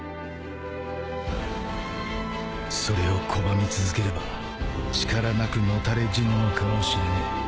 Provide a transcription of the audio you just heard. それを拒み続ければ力なく野垂れ死ぬのかもしれねえ。